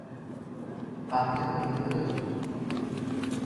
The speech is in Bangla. বাচ্চা তো ভিতরেও জীবিত থাকে।